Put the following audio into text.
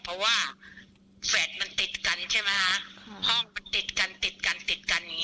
เพราะว่าแฟลตมันติดกันใช่ไหมคะห้องมันติดกันติดกันติดกันอย่างง